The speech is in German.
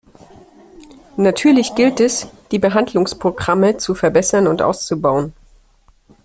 Natürlich gilt es, die Behandlungsprogramme zu verbessern und auszubauen.